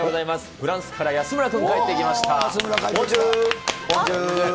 フランスから安村君、帰ってきました。